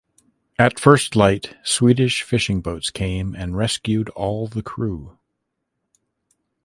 At first light Swedish fishing boats came and rescued all the crew.